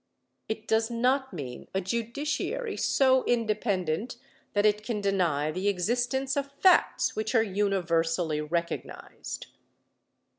It does not mean a judiciary so independent that it can deny the existence of facts which are universally recognized.